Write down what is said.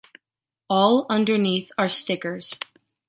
All underneath are stickers.